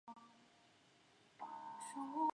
决赛则于预赛翌日同一时间进行。